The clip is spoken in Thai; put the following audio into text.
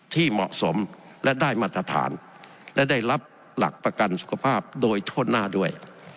ที่เหมาะสมและได้มาตรฐานและได้รับหลักประกันสุขภาพโดยโทษหน้าด้วย